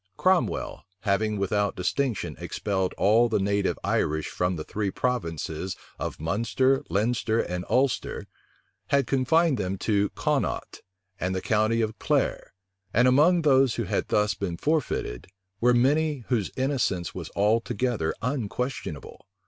Cromwell, having without distinction expelled all the native Irish from the three provinces of Munster, Leinster, and Ulster, had confined them to Connaught and the county of Clare; and among those who had thus been forfeited, were many whose innocence was altogether unquestionable.